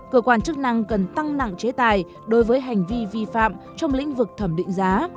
cơ quan chức năng cần tăng nặng chế tài đối với hành vi vi phạm trong lĩnh vực thẩm định giá